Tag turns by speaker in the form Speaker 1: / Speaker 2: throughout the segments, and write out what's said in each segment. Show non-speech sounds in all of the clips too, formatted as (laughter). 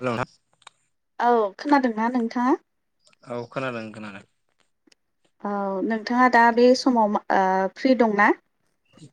Speaker 1: Hello नोंथां।
Speaker 2: औ खोनादोंना नोंथाङा?
Speaker 1: औ खोनादों खोनादों।
Speaker 2: औ नोंथाङा दा बे समाव मा ओ फ्रि दंना?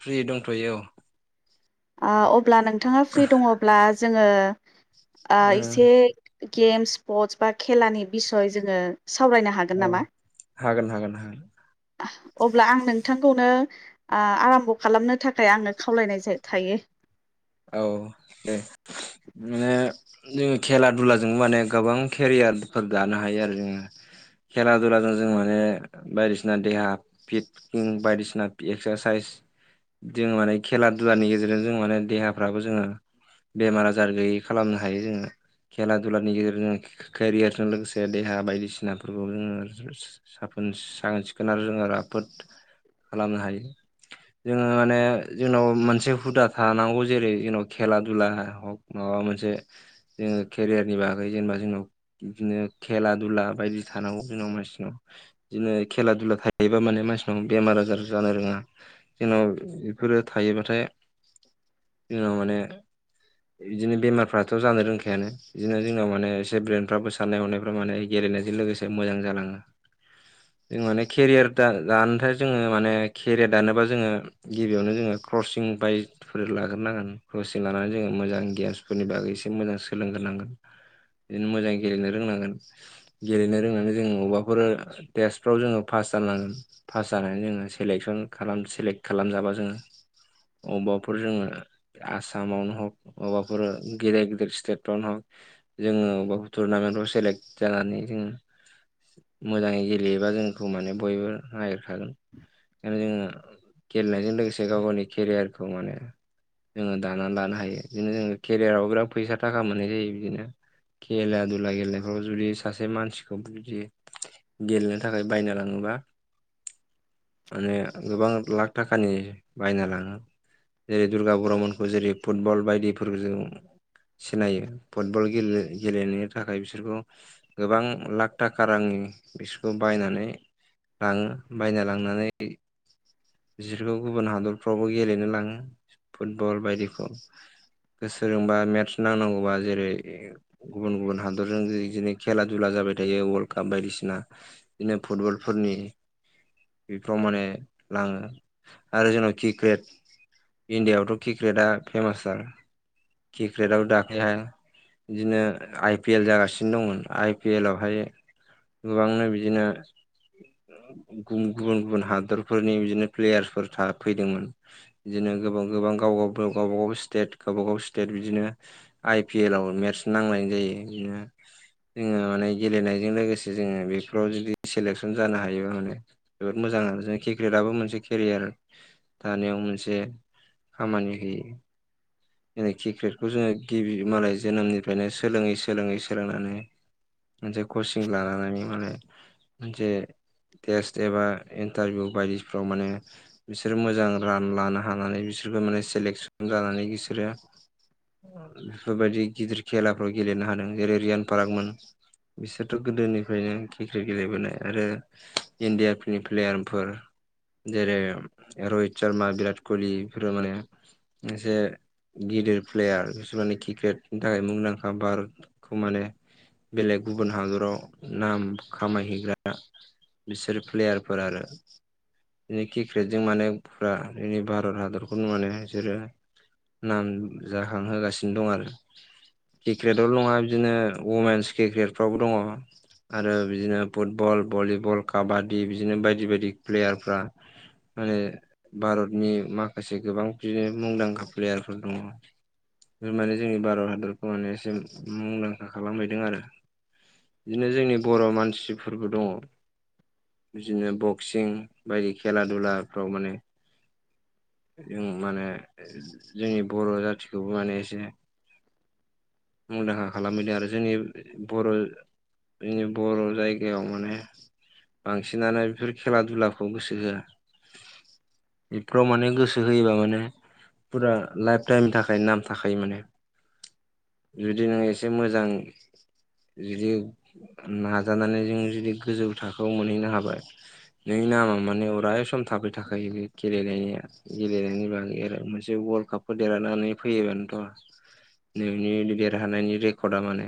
Speaker 1: फ्रि दंथ'यो औ।
Speaker 2: आ अब्ला नोंथाङा फ्रि दङब्ला जोङो ओ
Speaker 1: ओ
Speaker 2: एसे गेम्स स्पर्टस बा खेलानि बिसय जोङो सावरायनो हागोन
Speaker 1: औ
Speaker 2: नामा?
Speaker 1: हागोन हागोन हागोन।
Speaker 2: अब्ला आं नोंथांखौनो आ आराम्भ' खालामनो थाखाय आङो खावलायनाय जा थायो।
Speaker 1: औ (unintelligible) जोङो खेला दुलाजोंबो माने गोबां केरियारफोर दानो हायो आरो जोङो। खेला दुलाजों जों माने बायदिसिना देहा फिट बायदिसिना एक्सारसाइस जों माने खेला दुलानि गेजेरजों जों माने देहाफ्राबो जोङो बेमार आजार गैयै खालामनो हायो जोङो। खेला दुलानि गेजेरजों केरियारजों लोगोसे देहा बायदिसिनाफोरखौ जोङो सा साखोन सिखोन आरो जोङो राफोद खालामनो हायो। जोङो माने जोंनाव मोनसे हुदा थानांगौ जेरै जोंनाव खेला दुला हक माबा मोनसे जोङो केरियारनि बागै जेनेबा जोंनाव बिदिनो खेला दुला बायदि थानांगौ जोंनाव मानसिनाव बिदिनो खेला दुला थायोबा माने मानसिनाव बेमार आजार जानो रोङा जोंनाव बेफोरो थायोबाथाय
Speaker 2: (inaudible)
Speaker 1: जोंनाव माने बिदिनो बेमारफ्राथ' जानो रोंखायानो बिदिनो जोंनाव माने एसे ब्रेनफ्राबो साननाय हनायफ्रा माने गे गेलेनायजों लोगोसे मोजां जालाङो। जों माने केरियार दा-दानो थाय जोङो माने केरियार दानोबा जोङो गिबियावनो जोङो क्रसिं बाइदिफोर लाग गोरनांगोन क्रसिं लानानै जोङो मोजां गेम्सफोरनि बागै एसे मोजां सोलोंगोरनांगोन। इदिनो मोजाङै गेलेनो रोंनांगोन गेलेनो रोंनानै जोंङो अबाफोरो टेस्टफ्राव जोङो फास्त जानांगोन फास जानानै जोङो सेलेकसन खालाम सेलेक्ट खालामजाबा जोङो अबाफोर जोङो आसामावनो हग अबाफोर गेदेर गेदिर स्तेतफ्रावनो हक जोङो अबाफोर टुर नामेन्टफ्राव सेलेक्ट जानानै जोङो मोजाङै गेलेयोबा जोंखौ माने बयबो नागिरखागोन। इखायनो जोङो गेलेनायजों लोगोसे गाव गावनि केरियारखौ माने जोङो दानानै लानो हायो बिदिनो जोङो केरियाराव बिराद फैसा थाखा मोननाय जायो बिदिनो खेला दुला गेलेनायफ्राव जुदि सासे मानसिखौबो बिदि गेलेनो थाखाय बायना लाङोबा माने गोबां लाख थाखानि बायना लाङो जेरै दुर्गा बर' मोनखौ जेरै फुटबल बायदि फोरजों सिनायो फुटबल गेले-गेलेनो थाखाय बिसोरखौ गोबां लाख थाखा रांनि उ बिसोरखौ बायनानै लाङो बायना लांनानै बिसोरखौ गुबुन हादरफ्रावबो गेलेनो लाङो फुटबल बायदिखौ। (unintelligible) मेटस नांनांगौबा जेरै गुबुन गुबुन हादरजों बिदिनो खेला दुला जा जाबाय थायो वाल्ड काप बायदिसिना बिदिनो फुटबलफोरनि बेफोराव माने लाङो आरो जोंनाव किक्रेट इण्डिया यावथ' किक्रेटआ फेमास आनो किक्रेटआव दाख्लैहाय बिदिनो आइ पि एल जागासिनो दंमोन आइ पि एल आवहाय गोबांनो बिदिनो गुं-गुबुन गुबुन हादरफोरनि बिदिनो प्लेयारफोर थाफैदोंमोन बिदिनो गोबां गोबां गाव गाव बाव गावबा गाव स्टेट गावबा गाव स्टेट बिदिनो आइ पि एल आव मेस्ट नांलाय जायो इदिनो जोङो माने गेलेनायजों लोगोसे जोङो बेफोराव जुदि सेलेकसन जानो हायोबा माने जोबोद मो मोजां आरो जाय किक्रेटआबो मोनसे केरियार थानायाव मोनसे खामानि होयो। जाय किक्रेटखौ जोङो गिबि मालाय जोनोमनिफ्रायनो सोलोङै सोलोङै सोलोंनानै मोनसे कचिं लालानानै माने मोनसे टेस्ट एबा इनटारभिउ बायदिफ्राव माने बिसोर मोजां रान लानो हानानै बिसोर- बिफोरखौ माने सेलेकसन जानानै बिसोरो बेफोर बायदि गिदिर खेलाफोर गेलेनो हादों जेरै रियान पारागमोन बिसोरथ' गोदोनिफ्रायनो किक्रेट गेलेबोनाय आरो इनण्डिया प्लि प्लेयार फोर जेरै रहित शर्मा बिराट कहलि बेफोरो माने एसे गिदिर प्लेयार बिसोरबानि किक्रेटनि थाखाय मुंदांखा भारत खौ माने बेलेग गुबुन हादराव नाम खामायहैग्रा बिसोर प्लेयारफोर आरो। इ किक्रेटजों माने फुरा इ भारत हादरखौनो माने इसोरो नाम जाहां होगासिनो दं आरो। किक्रेटआवल' नङा बिदिनो वमेन्स किक्रेट फ्रावबो दङ। आरो बिदिनो फुटबल भलिबल काबादि बिदिनो बायदि बायदि प्लेयारफ्रा माने भारतनि माखासे गोबां बिदिनो मुंदांखा प्लेयारफोर दङ। माने जोंनि भारत हादरखौ माने इसिम मुंदांखा खालामहैदों आरो। बिदिनो जोंनि बर' मानसिफोरबो दङ। बिदिनो बक्सिं बायदि खेला दधुलाफ्राव माने जों माने जोंनि बर' जाथिखौबो माने एसे मुंदांखा खालामहैदों आरो जोंनि बर' जोंनि बर' जायगायाव माने बांसिनानो बेफोर खेला दुलाखौ गोसो होआ बेफोराव माने गोसो होयोबा माने। फुरा लाइफ टाइमनि थाखाय नाम थाखायो माने। जुदि नों एसे मोजां। जुदि नाजानानै जों जुदि गोजौ थाखोआव मोनहैनो हाबाय। नोंनि नामा माने अराय सम थाफै थाखायो बे गेलेनाया गेलेनायनि बागै आरो माने। जे वर्ल्ड कापफोर देरहानानै फैयोबानोथ'। नोंनि देरहानायनि रेकर्डआ माने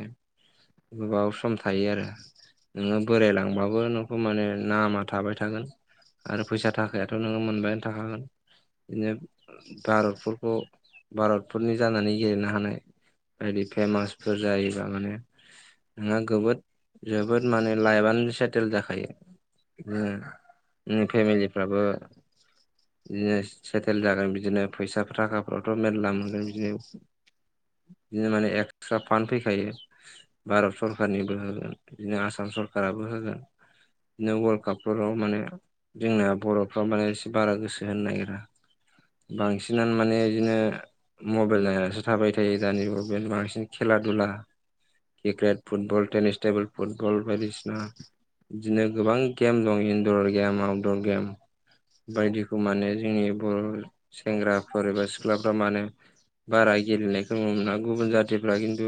Speaker 1: गोबाव सम थायो आरो। नोङो बोरायलांबाबो नोंखौ माने नामा थाबाय थागोन। आरो फैसा थाखायाथ' नोङो मोनबायानो थाखागोन बिदिनो। भारतफोरखौ भारतफोरनि जानानै गेलेनो हानाय। बायदि फेमासफोर जायोबा माने। नोंहा जोबोद माने लाइभनो सेटेल जाखायो। ओम फेमिलिफ्राबो। बिदिनो सेटेल जागोन बिदिनो फैसा थाखाफ्रावथ' मेरला मोनगोन बिदिनो। बिदिनो माने एक्सट्रा फान्ड फैखायो भारत सरखारारनिबो होगोन आसाम ह। सरखाराबो होगोन। बिदिनो वर्ल्ड कापफोराव माने जोंना बर'फ्रा माने एसे बारा गोसो होनो नागिरा।
Speaker 2: (inaudible)
Speaker 1: बांसिनानो माने बिदिनो मबाइल नायनानैसो थाबाय थायो दानि जुगाव बांसिन खेला दुला। Cricket football tennis table football बायदिसिना। बिदिनो गोबां गेम दं इनन्दर गेम आउटदर गेम। बायदिखौ माने जोंनि बर' सेंग्राफोर एबा सिख्लाफ्रा माने बारा गेलेनायखौ नु मोना गुबुन जाथिफ्रा खिन्थु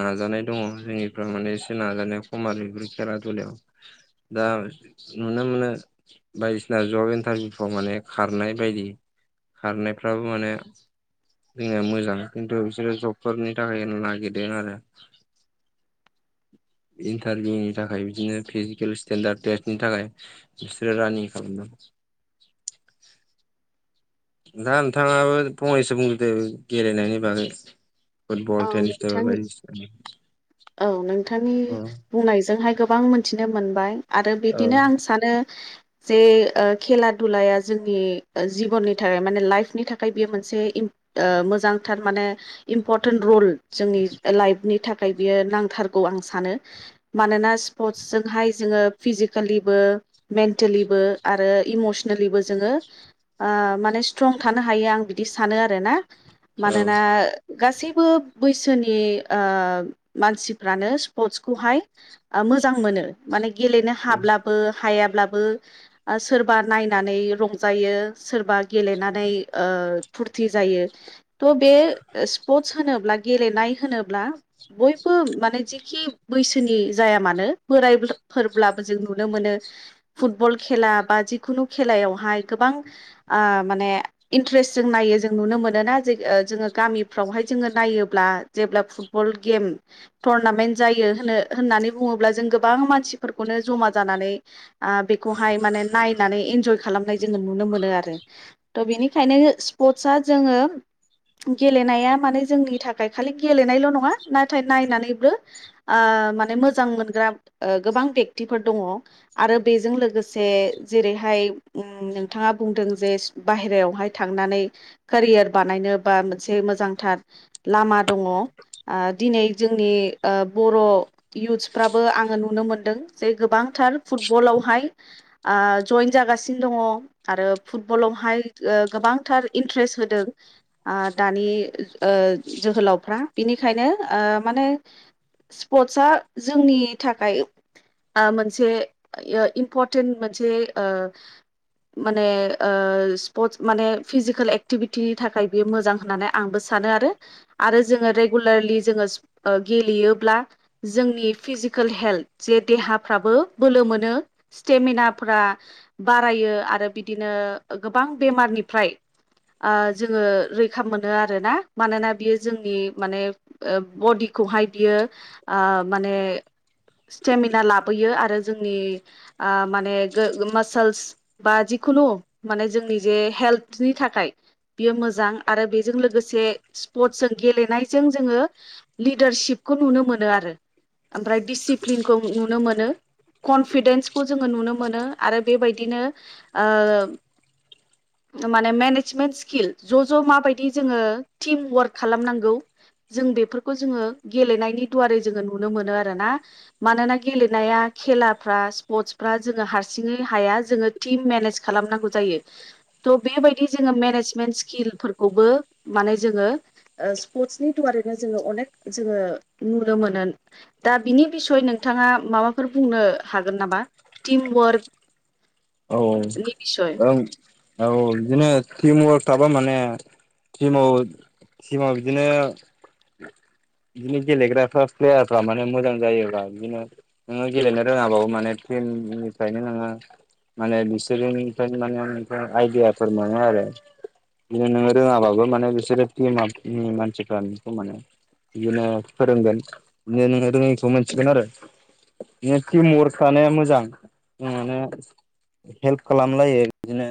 Speaker 1: नाजानाय दङ जोंनिफ्रा माने एसे नाजानाया खम आरो बेफोर खेला दुलायाव दा नुनो मोनो बायदिसिना जब इन्टारभिउफ्राव माने खारनाय बायदि खारनायफ्राबो माने बिदिनो मोजां खिन्थु बिसोरो जबफोरनि थाखाय नागिरदों आरो।
Speaker 2: (inaudible)
Speaker 1: इन्टारभिउनि थाखाय बिदिनो फिजिकेल स्टेनडार्ड टेस्टनि थाखाय बिसोरो रानिं खालामनां।
Speaker 2: (inaudible)
Speaker 1: दा नोंथाङाबो बंनैसो बुं दे गेलेनायनि बागै।
Speaker 2: औ
Speaker 1: फुटबल टेनिस तार
Speaker 2: नोंथांनि
Speaker 1: बायदि।
Speaker 2: औ नोंथांनि बुंनायजोंहाय गोबां मोनथिनो मोनबाय। आरो
Speaker 1: औ
Speaker 2: बिदिनो आं सानो जे ओ खेला दुलाया जोंनि जिबननि थाखाय माने लाइफनि थाखाय बेयो मोनसे ओ मोजांथार माने इम्परटेन्ट रुल जोंनि लाइफनि थाखाय। बियो नांथारगौ आं सानो मानोना स्पर्टसजोंहाय जोङो फिजिकेलिबो मेन्टेलिबो आरो इमसनेलिबो जोङो ओ माने स्ट्रं थानो हायो आं बि बिदि सानो आरोना
Speaker 1: औ
Speaker 2: मानोना गासैबो बैसोनि ओ मानसिफ्रानो स्पर्टसखौहाय ओ मोजां मोनो माने गेलेनो हाब्लाबो हायाब्लाबो सोरबा नायनानै रंजायो सोरबा गेलेनानै ओ ओ फुरथि जायो थ' बे स्पर्टस होनोब्ला गेलेनाय होनोब्ला। बयबो माने जिखि बैसोनि जाया मानो बोराय फोरब्लाबो जों नुनो मोनो। फुटबल खेला बा जिखुनु खेलायावहाय गोबां आं माने इन्ट्रेस। जों नायो जों नुनो मोनोना जे जोङो ओ गामिफ्रावहाय जोङो नायोब्ला जेब्ला फुटबल। गेम टरनामेन्ट जायो होनो होननानै बुङोब्ला जों गोबां मानसिफोरखौनो जमा जानानै आ बेखौहाय माने नायनानै इन्जय खालामनाय जोङो नुनो मोनो आरो। त' बिनिखायनो स्पर्टस जोङो गेलेनाया माने जोंनि थाखाय खालि गेलेनायल' नङा। नाथाय नायनानैबो ओ माने मोजां मोनग्रा गोबां बेक्तिफोर दङ। आरो बेजों लोगोसे जेरैहाय ओम नोंथाङा बुंदों जे बाहेरायावहाय थां नानै केरियार बानायनो बा मोनसे मोजांथार लामा दङ। ओ दिनै जोंनि ओ बर' युथ्सफ्राबो आङो नुनो मोनदों जे गोबांथार फुटबलावहाय ओ जयेन जागासिनो दङ आरो फुटबलावहाय ओ गोबांथार इन्टारेस होदों द ओ जोहोलावफ्रा बिनि बेखायनो ओ माने स्पर्टस आ जोंनि थाखाय ओ मोनसे इम्परटेन्ट मोनसे ओ माने ओ स्पर्टस माने फिजिकेल एक्टिभिटिनि थाखाय बियो मोजां होननानै आंबो सा नो आरो आरो जोङो रे गुलारलि जोंओ गेलेयोब्ला जोंनि फेजिकेल हेलत देहाफ्राबो बो बोलो मोनो स्टेमेनाफ्रा बारायो आरो बिदिनो गोबां बे मारनिफ्राय ओ जोङो रैखा मोनो आरोना मानोना बियो जोंनि माने ओ बडिखौहाय बियो आ माने स्टेमिना लाबोयो आरो जोंनि ओ माने मासोल्स बा जि खुनु माने जोंनि जे हेल्थनि थाखाय बेयो मोजां आरो बेजों लोगोसे स्पर्टसजों गेलेनाय जों जोङो लिदारशिप खौ नुनो मोनो आरो। ओमफ्राय डिसिप्लिनखौ नुनो मोनो। कनफिदेन्सखौ जोङो नुनो मोनो। आरो बेबायदिनो माने मेनेजमेन्ट स्किल ज' ज' माबायदि जोङो टिम वार्क खालामनांगौ जों बेफोरखौ जोङो गेलेनायनि दुवारै जोङो नुनो मोनो आरोना मानोना गेलेनाया खेलाफ्रा स्पर्टस फ्रा जोङो हारसिङै हाया जोङो टिम मेनेज खालामनांगौ जायो। थह बेबायदि जोङो मेनेजमेन्ट स्किलफोरखौबो माने जोङो स्पर्टसनि दुवारैनो जोङो अनेक जोङो नुनो मोनो। दा बिनि बिसय नोंथाङा माबाफोर बुंनो हागोन नामा टिम वार्क?
Speaker 1: औ ओ औ बिदिनो टिमवार्क थाबा माने टिमाव टिमाव बिदिनो बिदिनो गेलेग्राफ्रा प्लेयारफ्रा माने मोजां जायोबा बिदिनो नोङो गेलेनो रोङाबाबो माने निफ्रायनो नोङो माने बिसोरोनिफ्राय माने आइदियाफोर मोनो आरो। बिदिनो नोङो रोङाबाबो माने बिसोरो मानि मानसिफ्रा नोंखौ माने बिदिनो फोरोंगोन बिदिनो रोङैखौ मोनथिगोन आरो। बे टिम अवार थानायानाया मोजां माने हेल्प खालामलायो बिदिनो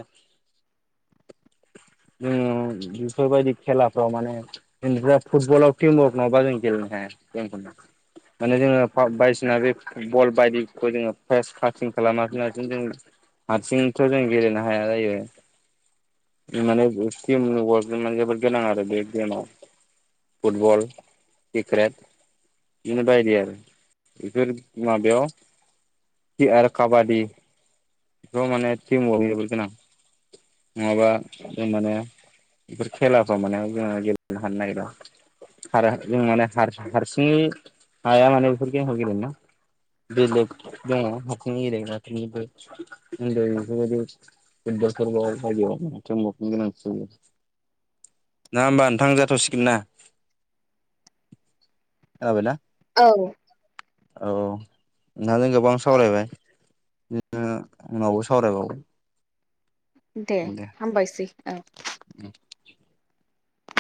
Speaker 1: (unintelligible) बेफोरबायदि खेलाफ्राव माने (unintelligible) फुटबलाव टिम वर्क नङाबा जों गेलेनो हाया।
Speaker 2: (inaudible)
Speaker 1: माने जोङो बायदिसिना बे बल बायदिखौ जोङो फेस काथिं खालामालासि जोङो। हारसिंथ' जों गेलेनो हाया जायो।
Speaker 2: (inaudible)
Speaker 1: जों माने टिम वार्ट जोबोद गोनां बे गेमाव। फुटबल, क्रिक्रेट बिनि बायदि आरो बिफोर माबायाव आरो काबादि बेआव माने थिम वार्क नि जोबोर गोनां। नङाबा जों माने बेफोर खेलाखौ माने जों गेलेनो हानो नागिरा। हार जों माने हारसिङै हाया माने बेफोर गेमखौ गेलेनो। बेलेग दङ हारसिं गेलेग्रा फोरनि बो। (unintelligible)
Speaker 2: (inaudible)
Speaker 1: ना होमबा नोंथां जाथ'सिगोन ना खोनाबायना?
Speaker 2: औ
Speaker 1: औ नोंथांजों गोबां सावरायबाय ओ उनावबो सावरायबाव
Speaker 2: दे हामबायसै औ।
Speaker 1: (inaudible)